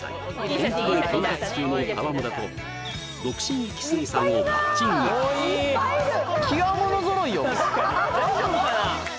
本気で婚活中の川村と独身イキスギさんをマッチング・大丈夫かな？